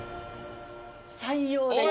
採用です